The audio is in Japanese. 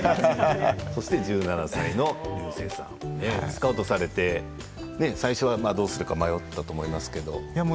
そして１７歳の竜星さんスカウトされて最初はどうするか迷ったと思いますけれども。